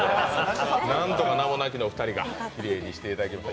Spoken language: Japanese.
なんとか、なもなきのお二人がきれいにしていただきました。